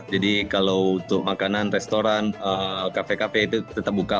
jadi kalau untuk makanan restoran cafe cafe itu tetap buka